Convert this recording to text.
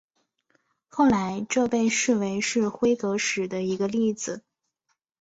后来这被视为是辉格史的一个例子。